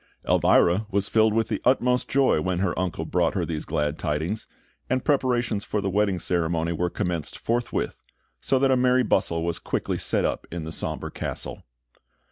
Elvira was filled with the utmost joy when her uncle brought her these glad tidings; and preparations for the wedding ceremony were commenced forthwith, so that a merry bustle was quickly set up in the sombre castle.